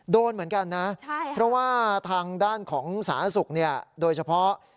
โดนเหมือนกันนะเพราะว่าทางด้านของศาลนักศึกษ์นี่โดยเฉพาะ